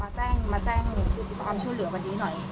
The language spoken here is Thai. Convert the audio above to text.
มาแจ้งความช่วยเหลือกว่าดีหน่อย